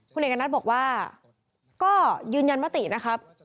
คุณเอกณัฐบอกว่าก็ยืนยันมตินะครับ